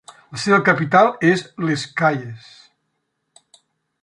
La seva capital és Les Cayes.